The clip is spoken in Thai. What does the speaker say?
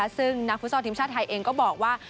ซึ่งนักฟุตซอลทีมชาติไทยเองก็บอกว่า